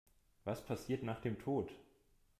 Was passiert nach dem Tod?